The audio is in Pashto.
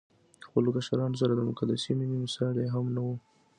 خپلو کشرانو سره د مقدسې مينې مثال يې هم نه وو